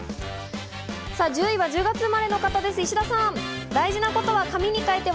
１０位は１０月生まれの方、石田さんです。